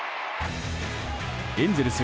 エンゼルス